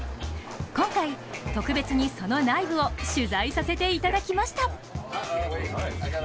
今回特別にその内部を取材させていただきました。